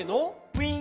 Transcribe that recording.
「ウィン！」